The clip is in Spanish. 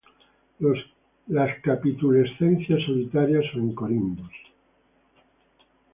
Las capitulescencias solitarias o en corimbos.